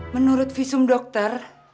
menurut visum dokter